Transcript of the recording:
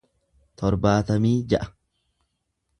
torbaatamii ja'a